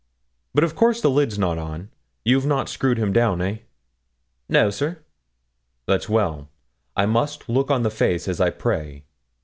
'But, of course, the lid's not on; you've not screwed him down, hey?' 'No, sir.' 'That's well. I must look on the face as I pray.